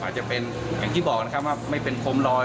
อาจจะเป็นอย่างที่บอกนะครับว่าไม่เป็นโคมลอย